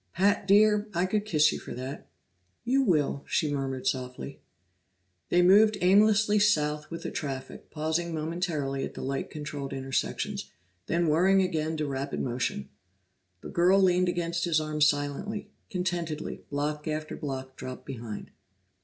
"Pat, dear! I could kiss you for that." "You will," she murmured softly. They moved aimlessly south with the traffic, pausing momentarily at the light controlled intersections, then whirring again to rapid motion. The girl leaned against his arm silently, contentedly; block after block dropped behind.